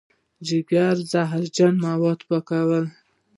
جګر زهرجن مواد پاکوي.